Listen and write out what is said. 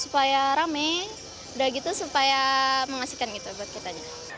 supaya rame udah gitu supaya mengasihkan gitu buat kita